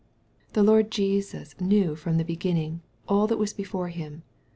The Lord Jesus knew from the beginning, aU that was Defore Him.